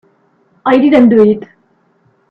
I didn't do it.